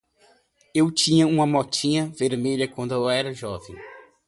Eu tinha uma motinha vermelha quando era jovem.